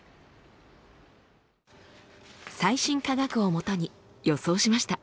最新科学をもとに予想しました。